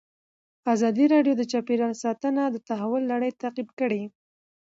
ازادي راډیو د چاپیریال ساتنه د تحول لړۍ تعقیب کړې.